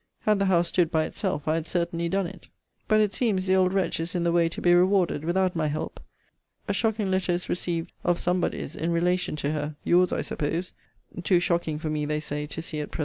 Had the house stood by itself, I had certainly done it. But, it seems, the old wretch is in the way to be rewarded, without my help. A shocking letter is received of somebody's in relation to her your's, I suppose too shocking for me, they say, to see at present.